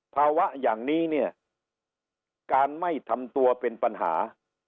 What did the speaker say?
ภาวะอย่างนี้เนี่ยการไม่ทำตัวเป็นปัญหา